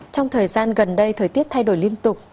trong thời gian gần đây thời tiết thay đổi liên tục